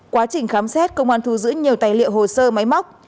quá trình khám xét công an thu giữ nhiều tài liệu hồ sơ máy móc